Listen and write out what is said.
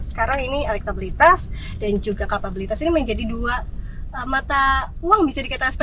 sekarang ini elektabilitas dan juga kapabilitas ini menjadi dua mata uang bisa dikatakan